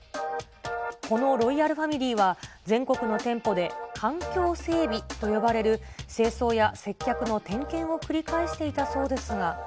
このロイヤルファミリーは、全国の店舗で、環境整備と呼ばれる清掃や接客の点検を繰り返していたそうですが。